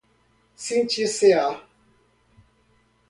cindir-se-á